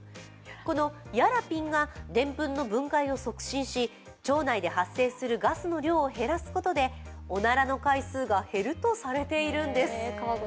このヤラピンがでんぷんの分解を促進し腸内で発生するガスの量を減らすことでおならの回数が減るとされているんです。